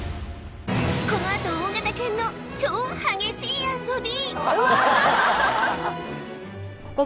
このあと大型犬の超激しい遊び